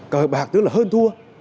cơ bạc tức là hơn thua